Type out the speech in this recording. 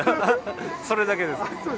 それだけです。